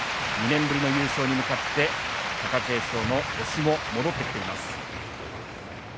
２年ぶりの優勝に向かって貴景勝の星も戻ってきています。